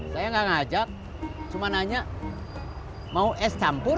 saya nggak ngajak cuma nanya mau es campur